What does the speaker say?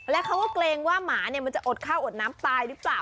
และเขาก็เกรงว่าหมามันจะอดข้าวอดน้ำตายหรือเปล่า